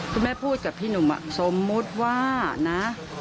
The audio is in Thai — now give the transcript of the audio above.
พูดกับพี่หนุ่มสมมุติว่านะ